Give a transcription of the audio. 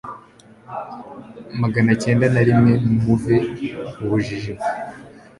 maganacyenda narimwe muve mubu jiji